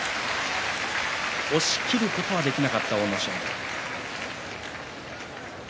押しきることはできなかった阿武咲。